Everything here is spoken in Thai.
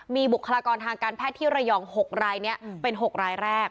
มีบุคลากรทางการแพทย์ที่ระยอง๖รายนี้เป็น๖รายแรก